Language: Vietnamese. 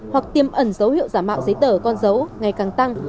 hoặc tiêm ẩn dấu hiệu giả mạo giấy tờ con dấu ngày càng tăng